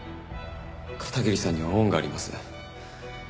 片桐さんには恩があります。